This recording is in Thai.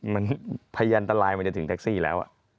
มันพยานตรายมันจะถึงแท็กซี่แล้ว